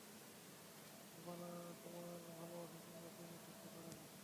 শোবানা আমার ভালোবাসা কিংবা প্রেমিকা হতে পারে না।